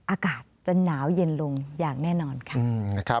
อากาศจะหนาวเย็นลงอย่างแน่นอนค่ะ